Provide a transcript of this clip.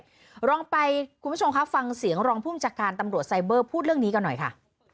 เดี๋ยวลองไปคุณผู้ชมค่ะฟังเสียงรองภูมิจักรการตำโหลดไซเบอร์พูดเรื่องนี้กันหน่อยค่ะ